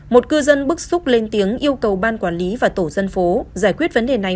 một cư dân bức xúc lên tiếng yêu cầu ban quản lý và tổ dân phố giải quyết vấn đề này